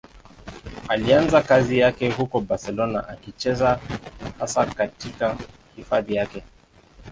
Alianza kazi yake huko Barcelona, akicheza hasa katika hifadhi zake.